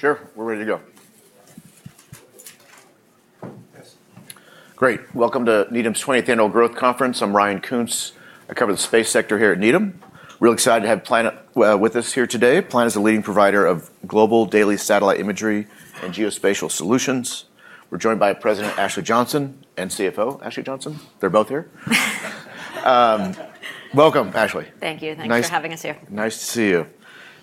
Sure, we're ready to go. Great. Welcome to Needham's 20th Annual Growth Conference. I'm Ryan Koontz. I cover the space sector here at Needham. Real excited to have Planet with us here today. Planet is a leading provider of global daily satellite imagery and geospatial solutions. We're joined by President Ashley Johnson and CFO. Ashley Johnson? They're both here. Welcome, Ashley. Thank you. Thanks for having us here. Nice to see you.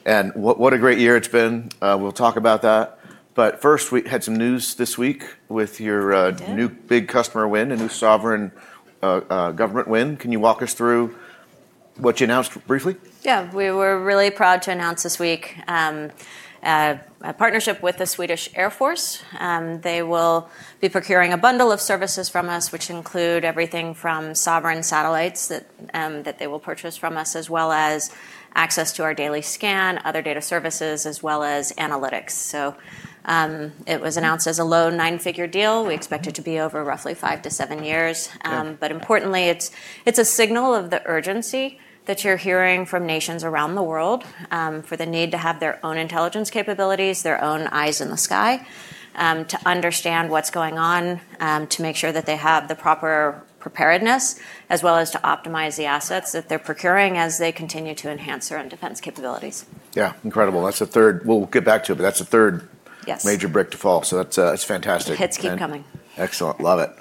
And what a great year it's been. We'll talk about that. But first, we had some news this week with your new big customer win, a new sovereign government win. Can you walk us through what you announced, briefly? Yeah, we were really proud to announce this week a partnership with the Swedish Air Force. They will be procuring a bundle of services from us, which include everything from sovereign satellites that they will purchase from us, as well as access to our Daily Scan, other data services, as well as analytics. So it was announced as a low nine-figure deal. We expect it to be over roughly five to seven years. But importantly, it's a signal of the urgency that you're hearing from nations around the world for the need to have their own intelligence capabilities, their own eyes in the sky, to understand what's going on, to make sure that they have the proper preparedness, as well as to optimize the assets that they're procuring as they continue to enhance their own defense capabilities. Yeah, incredible. That's a third. We'll get back to it, but that's a third major brick to fall, so that's fantastic. Hits keep coming. Excellent. Love it.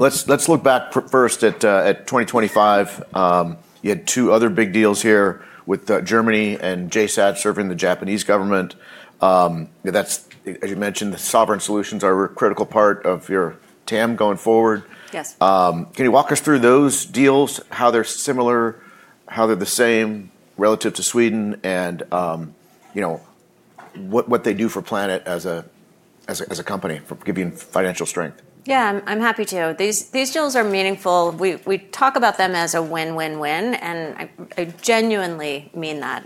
Let's look back first at 2025. You had two other big deals here with Germany and JSAT serving the Japanese government. As you mentioned, the sovereign solutions are a critical part of your TAM going forward. Can you walk us through those deals, how they're similar, how they're the same relative to Sweden, and what they do for Planet as a company, giving financial strength? Yeah, I'm happy to. These deals are meaningful. We talk about them as a win-win-win, and I genuinely mean that,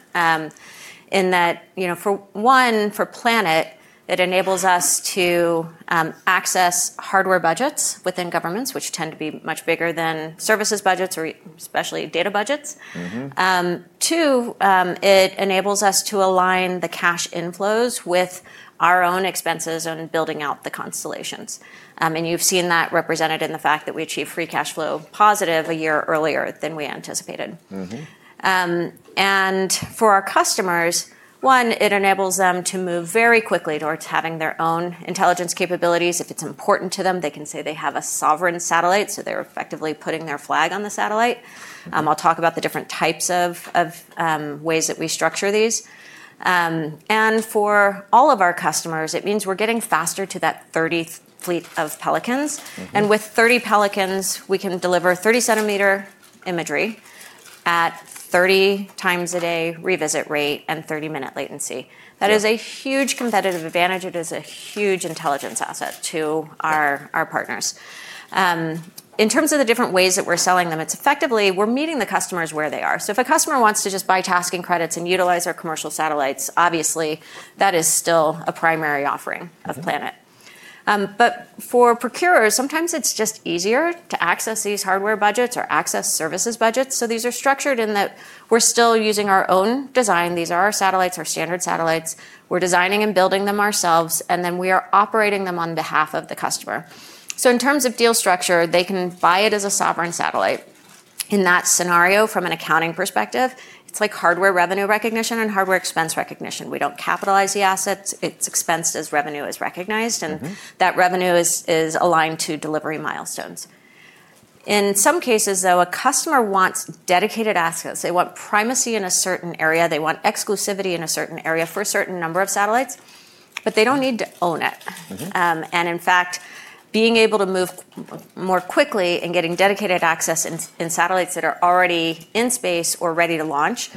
in that, for one, for Planet, it enables us to access hardware budgets within governments, which tend to be much bigger than services budgets, or especially data budgets. Two, it enables us to align the cash inflows with our own expenses on building out the constellations. And you've seen that represented in the fact that we achieved free cash flow positive a year earlier than we anticipated. And for our customers, one, it enables them to move very quickly towards having their own intelligence capabilities. If it's important to them, they can say they have a sovereign satellite, so they're effectively putting their flag on the satellite. I'll talk about the different types of ways that we structure these. For all of our customers, it means we're getting faster to that 30th fleet of Pelicans. With 30 Pelicans, we can deliver 30 cm imagery at 30x a day revisit rate and 30-minute latency. That is a huge competitive advantage. It is a huge intelligence asset to our partners. In terms of the different ways that we're selling them, it's effectively we're meeting the customers where they are. If a customer wants to just buy tasking credits and utilize our commercial satellites, obviously, that is still a primary offering of Planet. For procurers, sometimes it's just easier to access these hardware budgets or access services budgets. These are structured in that we're still using our own design. These are our satellites, our standard satellites. We're designing and building them ourselves, and then we are operating them on behalf of the customer. So in terms of deal structure, they can buy it as a sovereign satellite. In that scenario, from an accounting perspective, it's like hardware revenue recognition and hardware expense recognition. We don't capitalize the assets. It's expensed as revenue is recognized, and that revenue is aligned to delivery milestones. In some cases, though, a customer wants dedicated assets. They want primacy in a certain area. They want exclusivity in a certain area for a certain number of satellites, but they don't need to own it. And in fact, being able to move more quickly and getting dedicated access in satellites that are already in space or ready to launch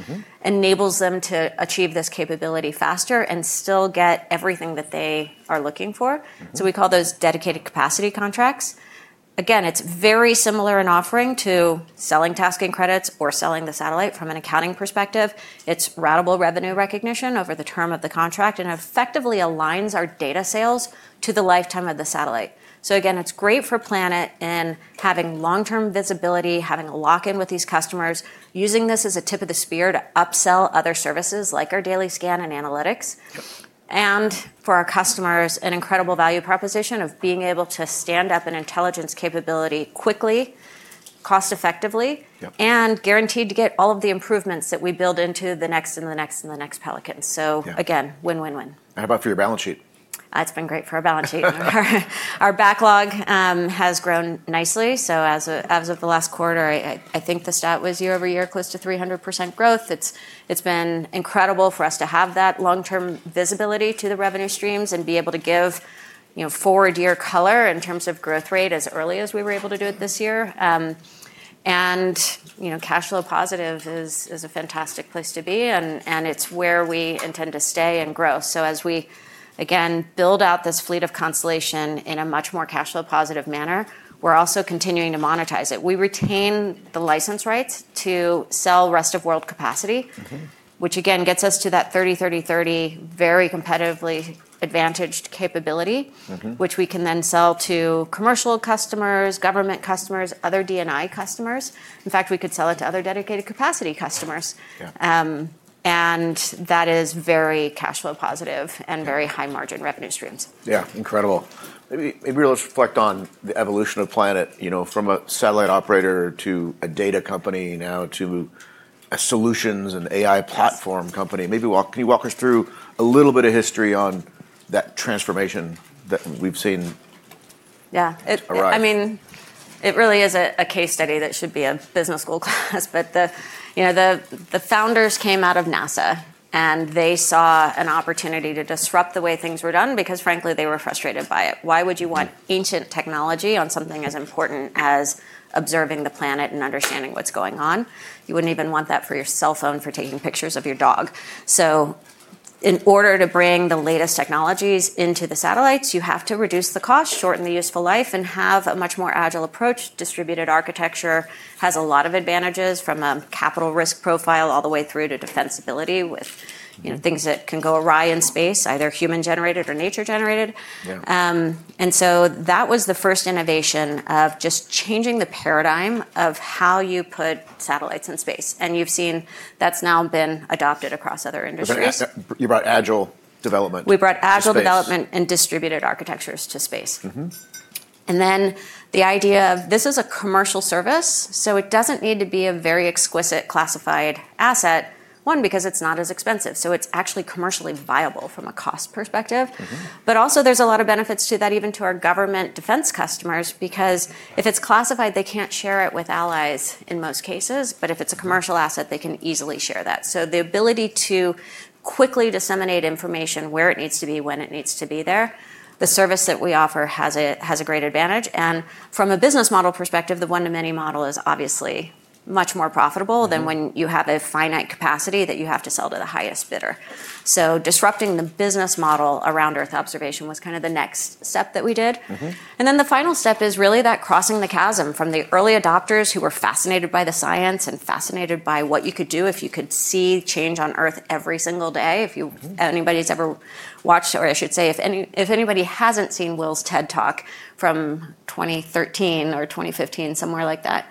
enables them to achieve this capability faster and still get everything that they are looking for. So we call those dedicated capacity contracts. Again, it's very similar in offering to selling tasking credits or selling the satellite from an accounting perspective. It's ratable revenue recognition over the term of the contract and effectively aligns our data sales to the lifetime of the satellite. So again, it's great for Planet in having long-term visibility, having a lock-in with these customers, using this as a tip of the spear to upsell other services like our Daily Scan and analytics. And for our customers, an incredible value proposition of being able to stand up an intelligence capability quickly, cost-effectively, and guaranteed to get all of the improvements that we build into the next and the next and the next Pelican. So again, win-win-win. How about for your balance sheet? It's been great for our balance sheet. Our backlog has grown nicely. So as of the last quarter, I think the stat was year over year close to 300% growth. It's been incredible for us to have that long-term visibility to the revenue streams and be able to give forward year color in terms of growth rate as early as we were able to do it this year. And cash flow positive is a fantastic place to be, and it's where we intend to stay and grow. So as we, again, build out this fleet of constellation in a much more cash flow positive manner, we're also continuing to monetize it. We retain the license rights to sell rest of world capacity, which again gets us to that 30-30-30 very competitively advantaged capability, which we can then sell to commercial customers, government customers, other D&I customers. In fact, we could sell it to other dedicated capacity customers, and that is very cash flow positive and very high margin revenue streams. Yeah, incredible. Maybe we'll just reflect on the evolution of Planet from a satellite operator to a data company now to a solutions and AI platform company. Maybe can you walk us through a little bit of history on that transformation that we've seen arrive? Yeah. I mean, it really is a case study that should be a business school class. But the founders came out of NASA, and they saw an opportunity to disrupt the way things were done because, frankly, they were frustrated by it. Why would you want ancient technology on something as important as observing the planet and understanding what's going on? You wouldn't even want that for your cell phone for taking pictures of your dog. So in order to bring the latest technologies into the satellites, you have to reduce the cost, shorten the useful life, and have a much more agile approach. Distributed architecture has a lot of advantages from a capital risk profile all the way through to defensibility with things that can go awry in space, either human-generated or nature-generated. And so that was the first innovation of just changing the paradigm of how you put satellites in space. And you've seen that's now been adopted across other industries. You brought agile development. We brought agile development and distributed architectures to space. And then the idea of this is a commercial service, so it doesn't need to be a very exquisite classified asset, one, because it's not as expensive. So it's actually commercially viable from a cost perspective. But also, there's a lot of benefits to that, even to our government defense customers, because if it's classified, they can't share it with allies in most cases. But if it's a commercial asset, they can easily share that. So the ability to quickly disseminate information where it needs to be, when it needs to be there, the service that we offer has a great advantage. And from a business model perspective, the one-to-many model is obviously much more profitable than when you have a finite capacity that you have to sell to the highest bidder. So disrupting the business model around Earth observation was kind of the next step that we did. And then the final step is really that crossing the chasm from the early adopters who were fascinated by the science and fascinated by what you could do if you could see change on Earth every single day. If anybody's ever watched, or I should say, if anybody hasn't seen Will's TED Talk from 2013 or 2015, somewhere like that,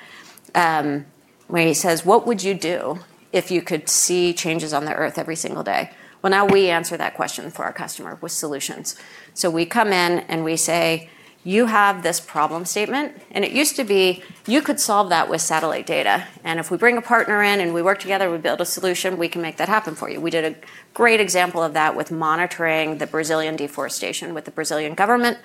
where he says, "What would you do if you could see changes on the Earth every single day?" Well, now we answer that question for our customer with solutions. We come in and we say, "You have this problem statement." And it used to be, "You could solve that with satellite data." And if we bring a partner in and we work together, we build a solution, we can make that happen for you. We did a great example of that with monitoring the Brazilian deforestation with the Brazilian government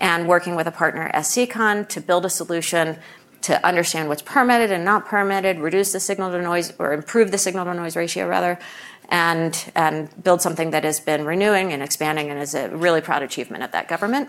and working with a partner, SCCON, to build a solution to understand what's permitted and not permitted, reduce the signal-to-noise, or improve the signal-to-noise ratio, rather, and build something that has been renewing and expanding and is a really proud achievement of that government.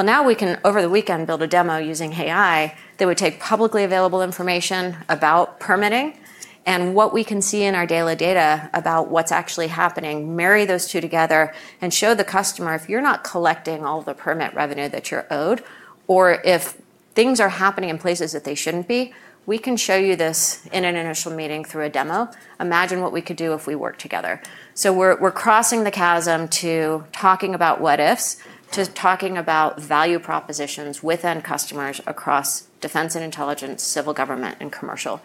Now we can, over the weekend, build a demo using AI that would take publicly available information about permitting and what we can see in our daily data about what's actually happening, marry those two together, and show the customer, "If you're not collecting all the permit revenue that you're owed, or if things are happening in places that they shouldn't be, we can show you this in an initial meeting through a demo. Imagine what we could do if we work together." We're crossing the chasm to talking about what-ifs, to talking about value propositions within customers across defense and intelligence, civil government, and commercial.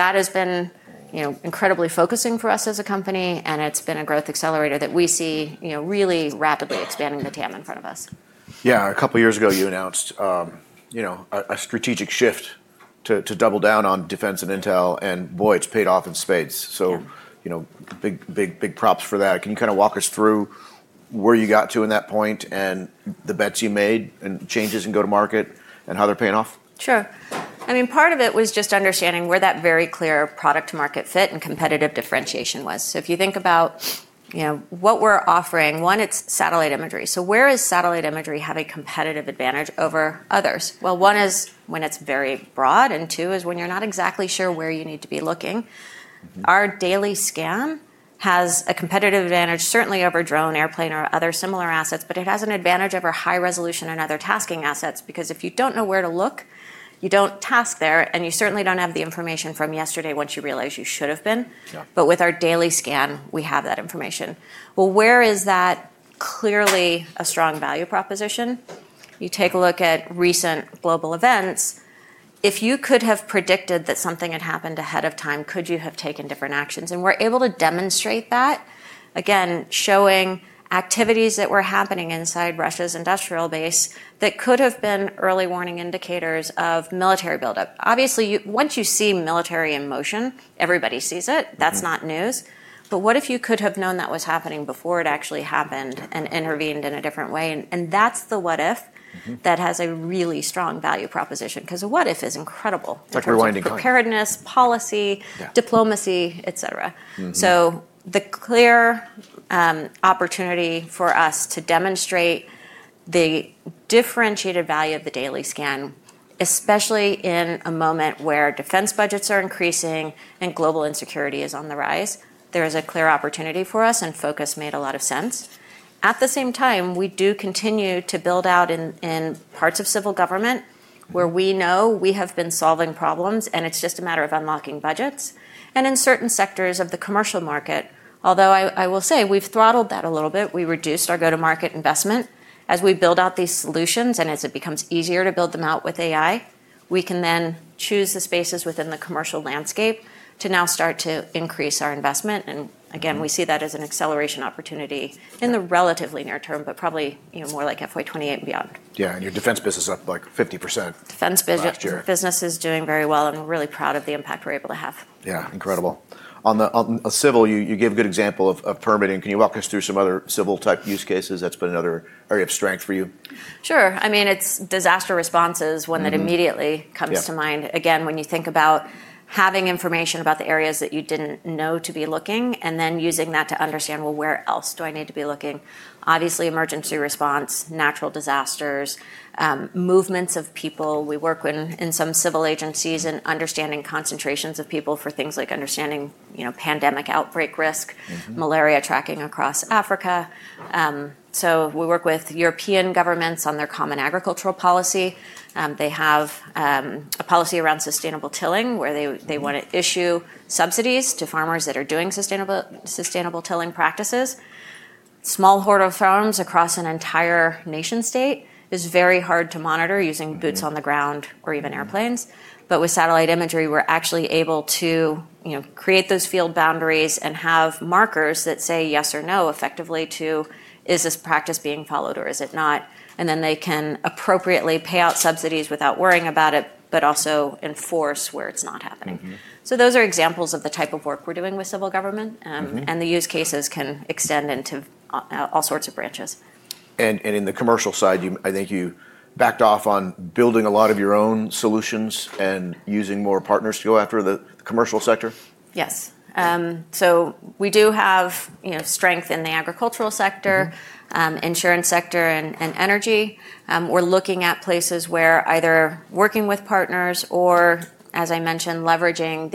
That has been incredibly focusing for us as a company, and it's been a growth accelerator that we see really rapidly expanding the TAM in front of us. Yeah, a couple of years ago, you announced a strategic shift to double down on defense and intel, and boy, it's paid off in spades. So big props for that. Can you kind of walk us through where you got to in that point and the bets you made and changes in go-to-market and how they're paying off? Sure. I mean, part of it was just understanding where that very clear product-market fit and competitive differentiation was, so if you think about what we're offering, one, it's satellite imagery. So where is satellite imagery having a competitive advantage over others? Well, one is when it's very broad, and two is when you're not exactly sure where you need to be looking. Our Daily Scan has a competitive advantage, certainly over drone, airplane, or other similar assets, but it has an advantage over high resolution and other tasking assets because if you don't know where to look, you don't task there, and you certainly don't have the information from yesterday once you realize you should have been. But with our Daily Scan, we have that information. Well, where is that clearly a strong value proposition? You take a look at recent global events. If you could have predicted that something had happened ahead of time, could you have taken different actions? And we're able to demonstrate that, again, showing activities that were happening inside Russia's industrial base that could have been early warning indicators of military buildup. Obviously, once you see military in motion, everybody sees it. That's not news. But what if you could have known that was happening before it actually happened and intervened in a different way? And that's the what-if that has a really strong value proposition because the what-if is incredible. Like rewinding time. Connectedness, policy, diplomacy, etc. The clear opportunity for us is to demonstrate the differentiated value of the Daily Scan, especially in a moment where defense budgets are increasing and global insecurity is on the rise. There is a clear opportunity for us, and focus made a lot of sense. At the same time, we do continue to build out in parts of civil government where we know we have been solving problems, and it's just a matter of unlocking budgets. In certain sectors of the commercial market, although I will say we've throttled that a little bit, we reduced our go-to-market investment as we build out these solutions, and as it becomes easier to build them out with AI, we can then choose the spaces within the commercial landscape to now start to increase our investment. And again, we see that as an acceleration opportunity in the relatively near term, but probably more like FY28 and beyond. Yeah, and your defense business is up like 50%. Defense business is doing very well, and we're really proud of the impact we're able to have. Yeah, incredible. On the civil, you gave a good example of permitting. Can you walk us through some other civil-type use cases that's been another area of strength for you? Sure. I mean, it's disaster responses, one that immediately comes to mind. Again, when you think about having information about the areas that you didn't know to be looking and then using that to understand, well, where else do I need to be looking? Obviously, emergency response, natural disasters, movements of people. We work in some civil agencies in understanding concentrations of people for things like understanding pandemic outbreak risk, malaria tracking across Africa. So we work with European governments on their Common Agricultural Policy. They have a policy around sustainable tilling where they want to issue subsidies to farmers that are doing sustainable tilling practices. Small horticultures across an entire nation-state is very hard to monitor using boots on the ground or even airplanes. But with satellite imagery, we're actually able to create those field boundaries and have markers that say yes or no effectively to, is this practice being followed or is it not? And then they can appropriately pay out subsidies without worrying about it, but also enforce where it's not happening. So those are examples of the type of work we're doing with civil government, and the use cases can extend into all sorts of branches. In the commercial side, I think you backed off on building a lot of your own solutions and using more partners to go after the commercial sector. Yes. So we do have strength in the agricultural sector, insurance sector, and energy. We're looking at places where either working with partners or, as I mentioned, leveraging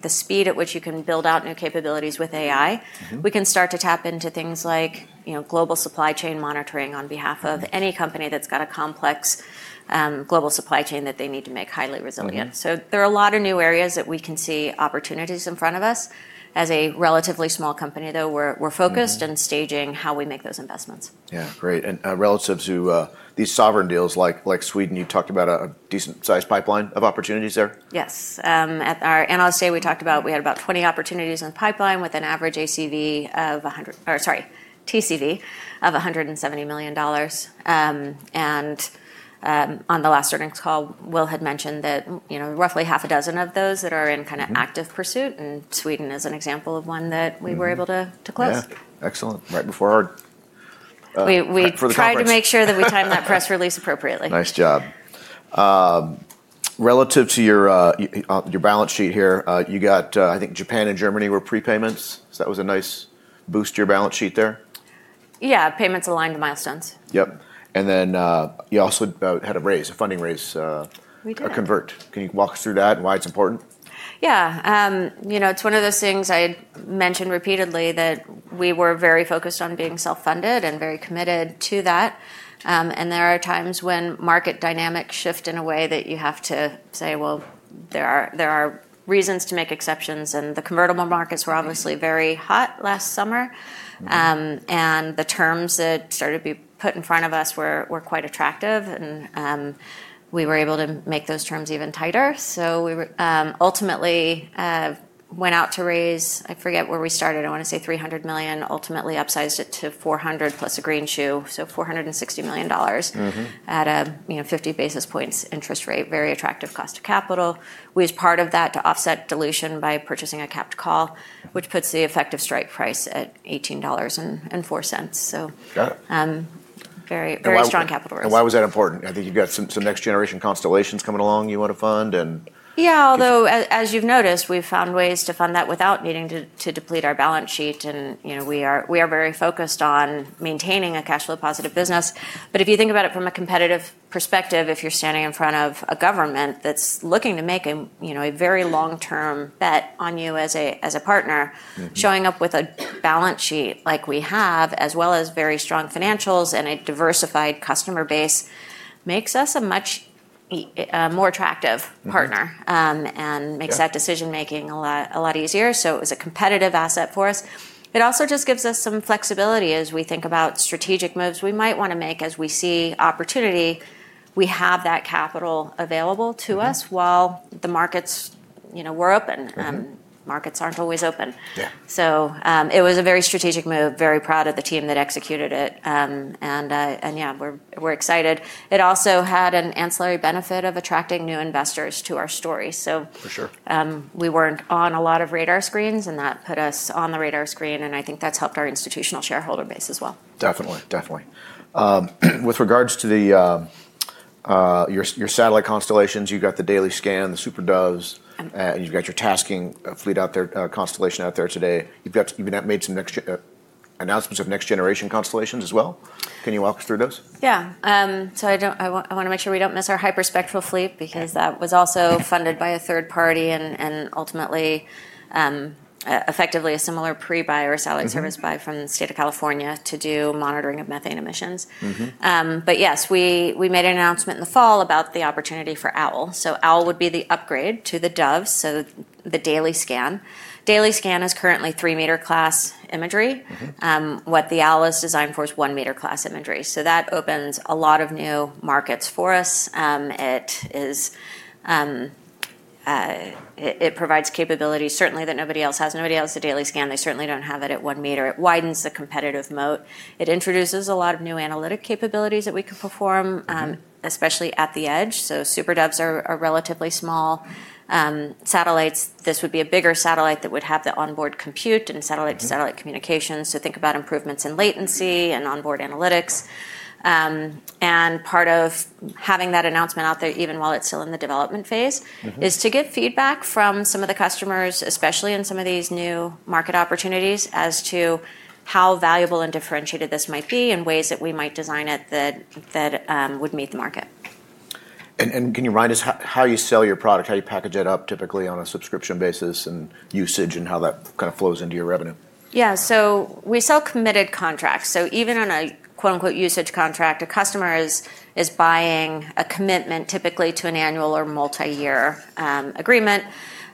the speed at which you can build out new capabilities with AI, we can start to tap into things like global supply chain monitoring on behalf of any company that's got a complex global supply chain that they need to make highly resilient. So there are a lot of new areas that we can see opportunities in front of us. As a relatively small company, though, we're focused and staging how we make those investments. Yeah, great. And relative to these sovereign deals like Sweden, you talked about a decent-sized pipeline of opportunities there. Yes. At our analyst day, we talked about we had about 20 opportunities in the pipeline with an average ACV of 100, or sorry, TCV of $170 million. And on the last earnings call, Will had mentioned that roughly half a dozen of those that are in kind of active pursuit, and Sweden is an example of one that we were able to close. Excellent. Right before our. We tried to make sure that we timed that press release appropriately. Nice job. Relative to your balance sheet here, you got, I think, Japan and Germany were pre-payments. So that was a nice boost to your balance sheet there. Yeah, payments aligned to milestones. Yep, and then you also had a raise, a funding raise, a convert. Can you walk us through that and why it's important? Yeah. It's one of those things I mentioned repeatedly that we were very focused on being self-funded and very committed to that. And there are times when market dynamics shift in a way that you have to say, well, there are reasons to make exceptions. And the convertible markets were obviously very hot last summer. And the terms that started to be put in front of us were quite attractive. And we were able to make those terms even tighter. So we ultimately went out to raise. I forget where we started. I want to say $300 million, ultimately upsized it to $400 plus a greenshoe, so $460 million at a 50 basis points interest rate, very attractive cost of capital. We used part of that to offset dilution by purchasing a capped call, which puts the effective strike price at $18.04. So very strong capital raise. Why was that important? I think you've got some next-generation constellations coming along you want to fund and. Yeah, although, as you've noticed, we've found ways to fund that without needing to deplete our balance sheet, and we are very focused on maintaining a cash flow positive business, but if you think about it from a competitive perspective, if you're standing in front of a government that's looking to make a very long-term bet on you as a partner, showing up with a balance sheet like we have, as well as very strong financials and a diversified customer base, makes us a much more attractive partner and makes that decision-making a lot easier, so it was a competitive asset for us. It also just gives us some flexibility as we think about strategic moves we might want to make as we see opportunity. We have that capital available to us while the markets were open. Markets aren't always open. So it was a very strategic move, very proud of the team that executed it. And yeah, we're excited. It also had an ancillary benefit of attracting new investors to our story. So we weren't on a lot of radar screens, and that put us on the radar screen, and I think that's helped our institutional shareholder base as well. Definitely, definitely. With regards to your satellite constellations, you've got the Daily Scan, the SuperDoves, and you've got your tasking fleet out there, constellation out there today. You've made some announcements of next-generation constellations as well. Can you walk us through those? Yeah. So I want to make sure we don't miss our hyperspectral fleet because that was also funded by a third party and ultimately effectively a similar pre-buy or satellite service buy from the state of California to do monitoring of methane emissions. But yes, we made an announcement in the fall about the opportunity for Owl. So Owl would be the upgrade to the Doves, so the Daily Scan. Daily Scan is currently three-meter class imagery. What the Owl is designed for is one-meter class imagery. So that opens a lot of new markets for us. It provides capabilities certainly that nobody else has. Nobody else has a Daily Scan. They certainly don't have it at one meter. It widens the competitive moat. It introduces a lot of new analytic capabilities that we can perform, especially at the edge. So super Doves are relatively small satellites. This would be a bigger satellite that would have the onboard compute and satellite-to-satellite communication. So think about improvements in latency and onboard analytics. And part of having that announcement out there, even while it's still in the development phase, is to get feedback from some of the customers, especially in some of these new market opportunities as to how valuable and differentiated this might be in ways that we might design it that would meet the market. Can you remind us how you sell your product, how you package it up typically on a subscription basis and usage and how that kind of flows into your revenue? Yeah. So we sell committed contracts. So even on a quote-unquote usage contract, a customer is buying a commitment typically to an annual or multi-year agreement.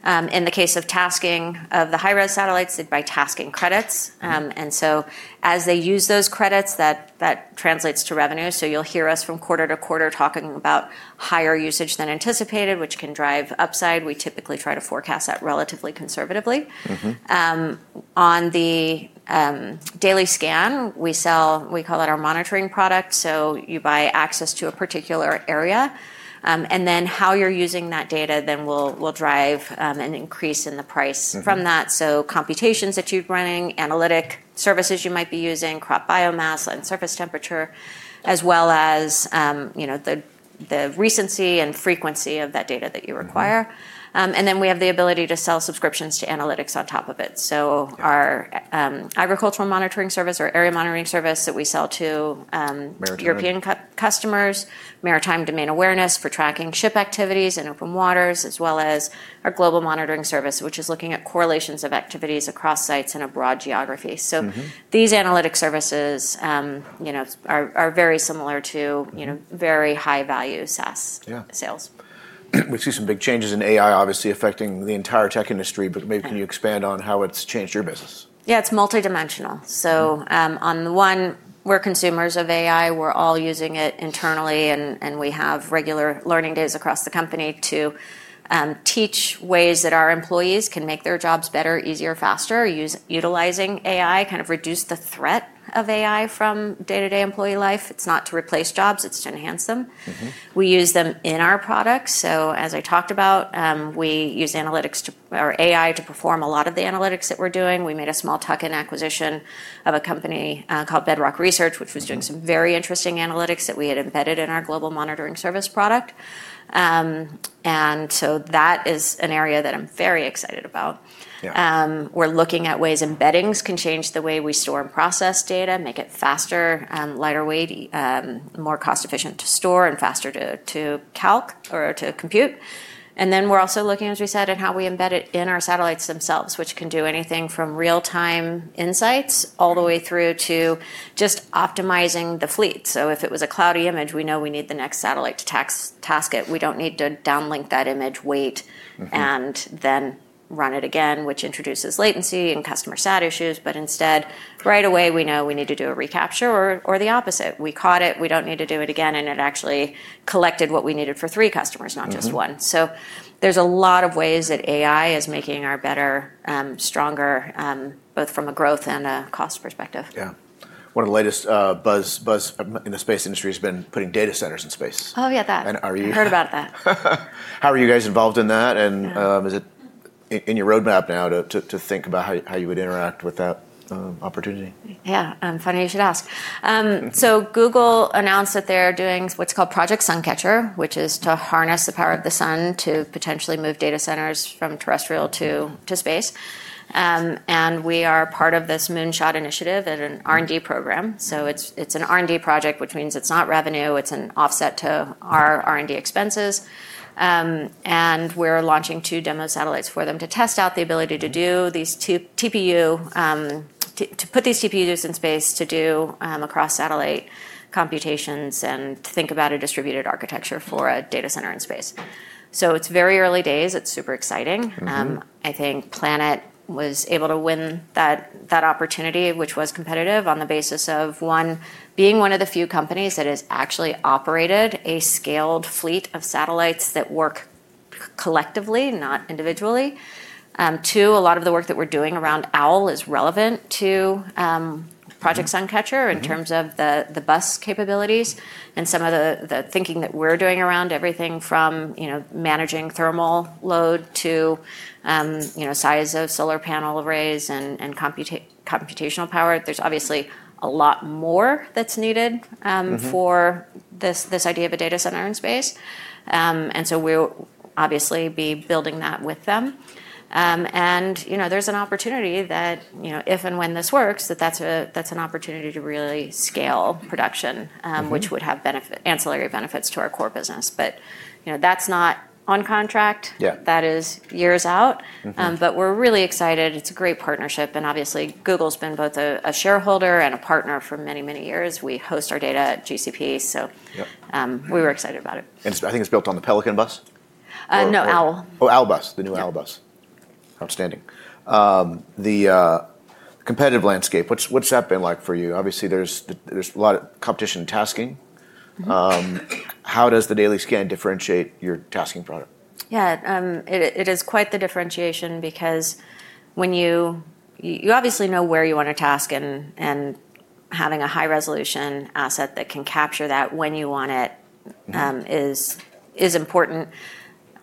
In the case of tasking of the high-res satellites, they buy tasking credits. And so as they use those credits, that translates to revenue. So you'll hear us from quarter to quarter talking about higher usage than anticipated, which can drive upside. We typically try to forecast that relatively conservatively. On the Daily Scan, we sell, we call it our monitoring product. So you buy access to a particular area. And then how you're using that data then will drive an increase in the price from that. So computations that you're running, analytic services you might be using, crop biomass and surface temperature, as well as the recency and frequency of that data that you require. And then we have the ability to sell subscriptions to analytics on top of it. So our agricultural monitoring service or Area Monitoring Service that we sell to European customers, maritime domain awareness for tracking ship activities and open waters, as well as our Global Monitoring Service, which is looking at correlations of activities across sites in a broad geography. So these analytic services are very similar to very high-value SaaS sales. We see some big changes in AI, obviously affecting the entire tech industry, but maybe can you expand on how it's changed your business? Yeah, it's multidimensional. So on the one, we're consumers of AI. We're all using it internally, and we have regular learning days across the company to teach ways that our employees can make their jobs better, easier, faster, utilizing AI, kind of reduce the threat of AI from day-to-day employee life. It's not to replace jobs. It's to enhance them. We use them in our products. So as I talked about, we use analytics or AI to perform a lot of the analytics that we're doing. We made a small tuck-in acquisition of a company called Bedrock Research, which was doing some very interesting analytics that we had embedded in our global monitoring service product. And so that is an area that I'm very excited about. We're looking at ways embeddings can change the way we store and process data, make it faster, lighter weight, more cost-efficient to store, and faster to calc or to compute, and then we're also looking, as we said, at how we embed it in our satellites themselves, which can do anything from real-time insights all the way through to just optimizing the fleet, so if it was a cloudy image, we know we need the next satellite to task it. We don't need to downlink that image, wait, and then run it again, which introduces latency and customer sat issues, but instead, right away, we know we need to do a recapture or the opposite. We caught it. We don't need to do it again, and it actually collected what we needed for three customers, not just one. So there's a lot of ways that AI is making us better, stronger, both from a growth and a cost perspective. Yeah. One of the latest buzz in the space industry has been putting data centers in space. Oh, yeah, that. I heard about that. How are you guys involved in that? And is it in your roadmap now to think about how you would interact with that opportunity? Yeah. Funny you should ask, so Google announced that they're doing what's called Project Sun Catcher, which is to harness the power of the sun to potentially move data centers from terrestrial to space, and we are part of this Moonshot initiative and an R&D program. So it's an R&D project, which means it's not revenue. It's an offset to our R&D expenses, and we're launching two demo satellites for them to test out the ability to do these TPU, to put these TPUs in space to do cross-satellite computations and think about a distributed architecture for a data center in space, so it's very early days. It's super exciting. I think Planet was able to win that opportunity, which was competitive on the basis of, one, being one of the few companies that has actually operated a scaled fleet of satellites that work collectively, not individually. Two, a lot of the work that we're doing around Owl is relevant to Project Sun Catcher in terms of the bus capabilities and some of the thinking that we're doing around everything from managing thermal load to size of solar panel arrays and computational power. There's obviously a lot more that's needed for this idea of a data center in space. And so we'll obviously be building that with them. And there's an opportunity that if and when this works, that that's an opportunity to really scale production, which would have ancillary benefits to our core business. But that's not on contract. That is years out. But we're really excited. It's a great partnership. And obviously, Google's been both a shareholder and a partner for many, many years. We host our data at GCP. So we were excited about it. I think it's built on the Pelican bus? No, Owl. Oh, Owl bus, the new Owl bus. Outstanding. The competitive landscape, what's that been like for you? Obviously, there's a lot of competition in tasking. How does the Daily Scan differentiate your tasking product? Yeah. It is quite the differentiation because you obviously know where you want to task, and having a high-resolution asset that can capture that when you want it is important.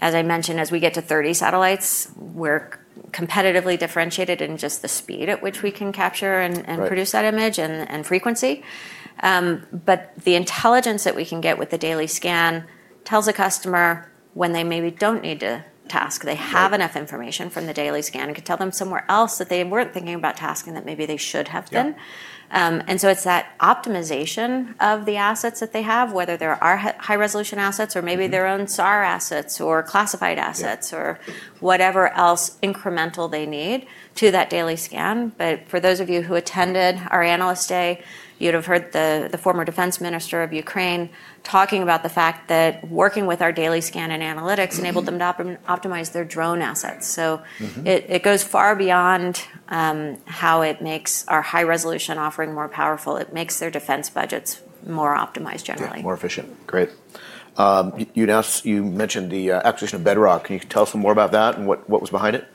As I mentioned, as we get to 30 satellites, we're competitively differentiated in just the speed at which we can capture and produce that image and frequency, but the intelligence that we can get with the Daily Scan tells a customer when they maybe don't need to task. They have enough information from the Daily Scan, and can tell them somewhere else that they weren't thinking about tasking that maybe they should have been, and so it's that optimization of the assets that they have, whether they're our high-resolution assets or maybe their own SAR assets or classified assets or whatever else incremental they need to that Daily Scan. But for those of you who attended our analyst day, you'd have heard the former Defense Minister of Ukraine talking about the fact that working with our Daily Scan and analytics enabled them to optimize their drone assets. So it goes far beyond how it makes our high-resolution offering more powerful. It makes their defense budgets more optimized generally. More efficient. Great. You mentioned the acquisition of Bedrock. Can you tell us some more about that and what was behind it?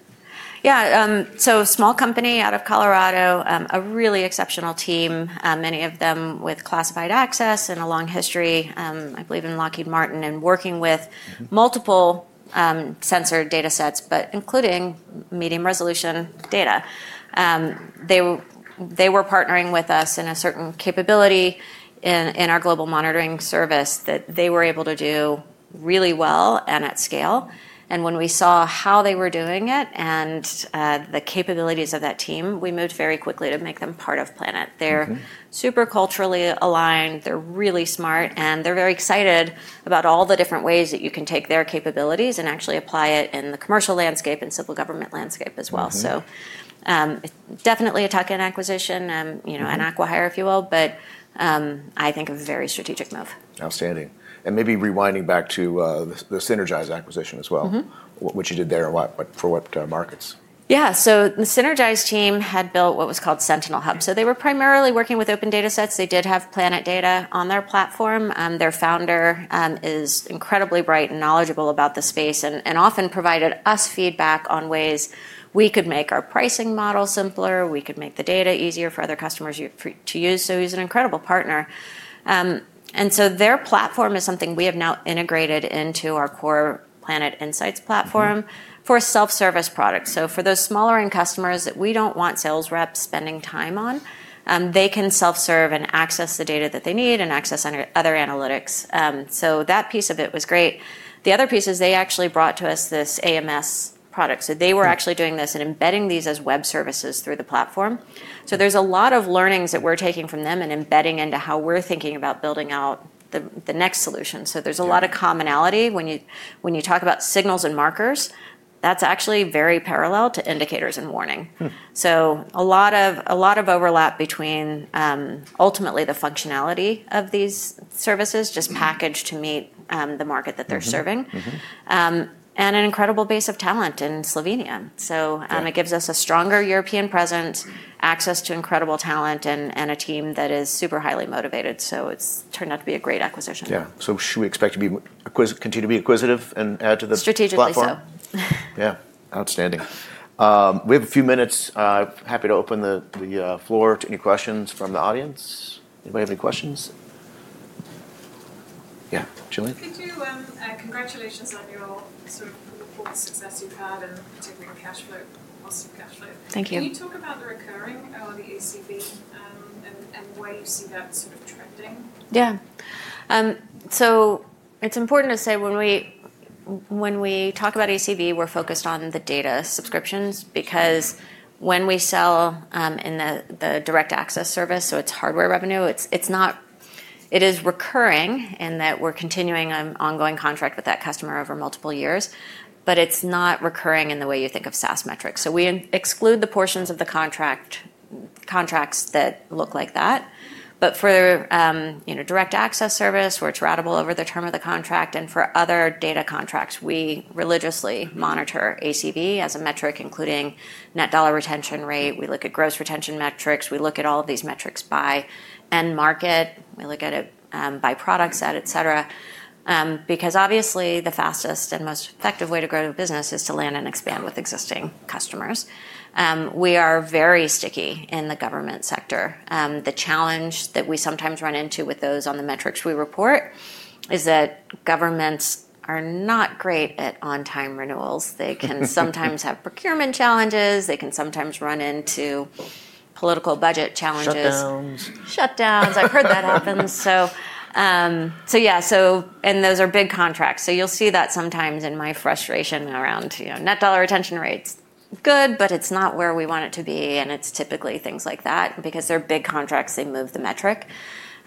Yeah. So small company out of Colorado, a really exceptional team, many of them with classified access and a long history, I believe, in Lockheed Martin and working with multiple sensor data sets, but including medium resolution data. They were partnering with us in a certain capability in our Global Monitoring Service that they were able to do really well and at scale. And when we saw how they were doing it and the capabilities of that team, we moved very quickly to make them part of Planet. They're super culturally aligned. They're really smart. And they're very excited about all the different ways that you can take their capabilities and actually apply it in the commercial landscape and civil government landscape as well. So definitely a tuck-in acquisition, an acquihire, if you will, but I think a very strategic move. Outstanding. And maybe rewinding back to the Sinergise acquisition as well, what you did there and for what markets? Yeah. So the Sinergise team had built what was called Sentinel Hub. So they were primarily working with open data sets. They did have Planet data on their platform. Their founder is incredibly bright and knowledgeable about the space and often provided us feedback on ways we could make our pricing model simpler. We could make the data easier for other customers to use. So he's an incredible partner. And so their platform is something we have now integrated into our core Planet Insights Platform for self-service products. So for those smaller customers that we don't want sales reps spending time on, they can self-serve and access the data that they need and access other analytics. So that piece of it was great. The other piece is they actually brought to us this AMS product. So they were actually doing this and embedding these as web services through the platform. So there's a lot of learnings that we're taking from them and embedding into how we're thinking about building out the next solution. So there's a lot of commonality. When you talk about signals and markers, that's actually very parallel to indicators and warning. So a lot of overlap between ultimately the functionality of these services just packaged to meet the market that they're serving and an incredible base of talent in Slovenia. So it gives us a stronger European presence, access to incredible talent, and a team that is super highly motivated. So it's turned out to be a great acquisition. Yeah, so should we expect to continue to be inquisitive and add to the platform? Strategically so. Yeah. Outstanding. We have a few minutes. Happy to open the floor to any questions from the audience. Anybody have any questions? Yeah. Julie? Congratulations on your sort of full success you've had and particularly the cash flow, positive cash flow. Thank you. Can you talk about the recurring or the ACV and why you see that sort of trending? Yeah. So it's important to say when we talk about ACV, we're focused on the data subscriptions because when we sell the direct access service, so it's hardware revenue, it is recurring in that we're continuing an ongoing contract with that customer over multiple years, but it's not recurring in the way you think of SaaS metrics. So we exclude the portions of the contracts that look like that. But for direct access service, we're ratable over the term of the contract. And for other data contracts, we religiously monitor ACV as a metric, including net dollar retention rate. We look at gross retention metrics. We look at all of these metrics by end market. We look at it by product set, et cetera, because obviously the fastest and most effective way to grow the business is to land and expand with existing customers. We are very sticky in the government sector. The challenge that we sometimes run into with those on the metrics we report is that governments are not great at on-time renewals. They can sometimes have procurement challenges. They can sometimes run into political budget challenges. Shutdowns. Shutdowns. I've heard that happen. So yeah. And those are big contracts. So you'll see that sometimes in my frustration around net dollar retention rates. Good, but it's not where we want it to be. And it's typically things like that because they're big contracts. They move the metric.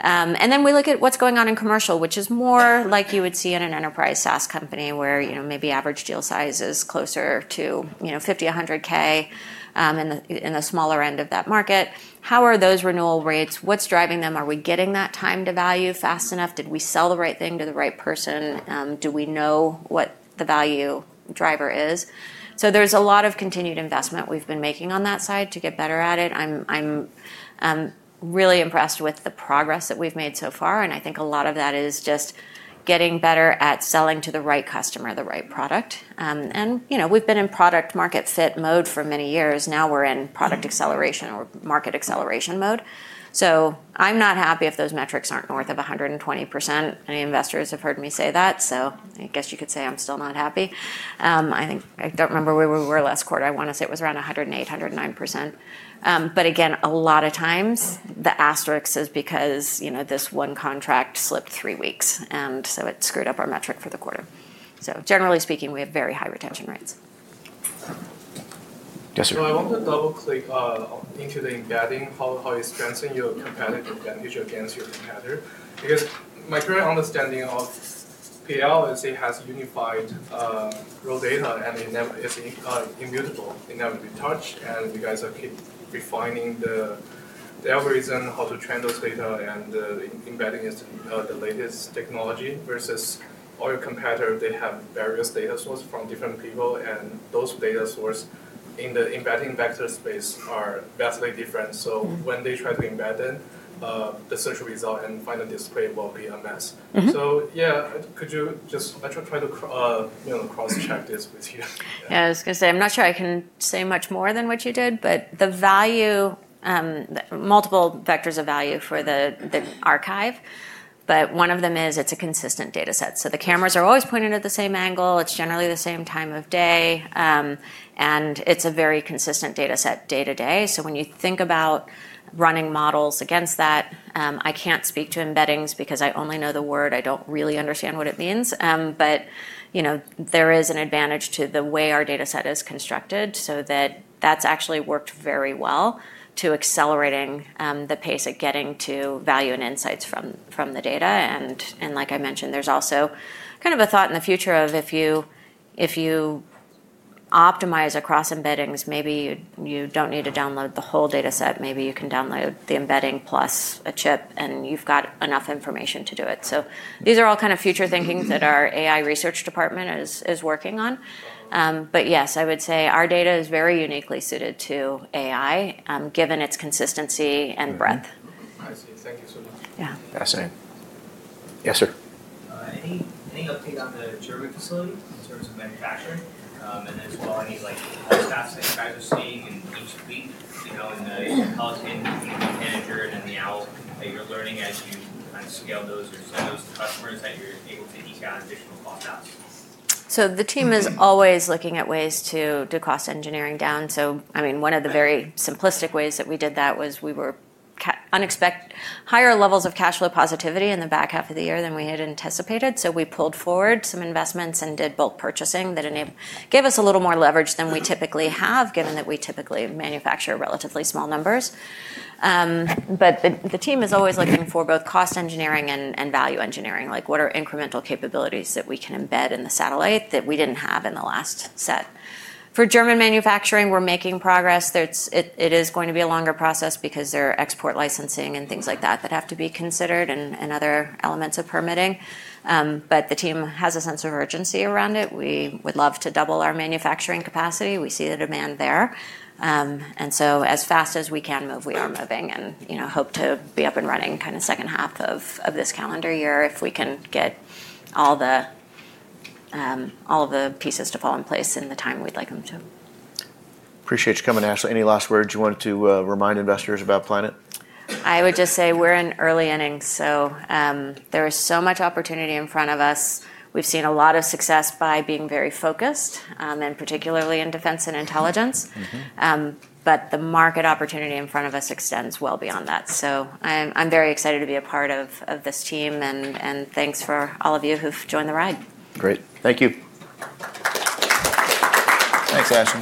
And then we look at what's going on in commercial, which is more like you would see in an enterprise SaaS company where maybe average deal size is closer to 50, 100K in the smaller end of that market. How are those renewal rates? What's driving them? Are we getting that time to value fast enough? Did we sell the right thing to the right person? Do we know what the value driver is? So there's a lot of continued investment we've been making on that side to get better at it. I'm really impressed with the progress that we've made so far. And I think a lot of that is just getting better at selling to the right customer, the right product. And we've been in product-market fit mode for many years. Now we're in product acceleration or market acceleration mode. So I'm not happy if those metrics aren't north of 120%. Many investors have heard me say that. So I guess you could say I'm still not happy. I don't remember where we were last quarter. I want to say it was around 108%-109%. But again, a lot of times the asterisk is because this one contract slipped three weeks. And so it screwed up our metric for the quarter. So generally speaking, we have very high retention rates. Yes, sir. I want to double-click into the embedding, how it strengthens your competitive advantage against your competitor. Because my current understanding of PL is it has unified raw data and it's immutable. It never retouched. And you guys are refining the algorithm how to train those data and embedding it to the latest technology versus all your competitors, they have various data sources from different people. And those data sources in the embedding vector space are vastly different. So when they try to embed it, the search result and final display will be a mess. So yeah, could you just try to cross-check this with you? Yeah. I was going to say, I'm not sure I can say much more than what you did, but the value, multiple vectors of value for the archive. But one of them is it's a consistent data set. So the cameras are always pointed at the same angle. It's generally the same time of day. And it's a very consistent data set day to day. So when you think about running models against that, I can't speak to embeddings because I only know the word. I don't really understand what it means. But there is an advantage to the way our data set is constructed so that that's actually worked very well to accelerating the pace of getting to value and insights from the data. Like I mentioned, there's also kind of a thought in the future of if you optimize across embeddings, maybe you don't need to download the whole data set. Maybe you can download the embedding plus a chip and you've got enough information to do it. So these are all kind of future thinking that our AI research department is working on. But yes, I would say our data is very uniquely suited to AI given its consistency and breadth. I see. Thank you so much. Yeah. Fascinating. Yes, sir. Any update on the German facility in terms of manufacturing? And then as well, any cost gaps that you guys are seeing in the Pelican and the Owl that you're learning as you scale those or sell those to customers that you're able to eke out additional cost out? So the team is always looking at ways to do cost engineering down. So I mean, one of the very simplistic ways that we did that was we had unexpectedly higher levels of cash flow positivity in the back half of the year than we had anticipated. So we pulled forward some investments and did bulk purchasing that gave us a little more leverage than we typically have given that we typically manufacture relatively small numbers. But the team is always looking for both cost engineering and value engineering. What are incremental capabilities that we can embed in the satellite that we didn't have in the last set? For German manufacturing, we're making progress. It is going to be a longer process because there are export licensing and things like that that have to be considered and other elements of permitting. But the team has a sense of urgency around it. We would love to double our manufacturing capacity. We see the demand there. And so as fast as we can move, we are moving and hope to be up and running kind of second half of this calendar year if we can get all the pieces to fall in place in the time we'd like them to. Appreciate you coming, Ashley. Any last words you wanted to remind investors about Planet? I would just say we're in early innings. So there is so much opportunity in front of us. We've seen a lot of success by being very focused, and particularly in defense and intelligence. But the market opportunity in front of us extends well beyond that. So I'm very excited to be a part of this team. And thanks for all of you who've joined the ride. Great. Thank you. Thanks, Ashley.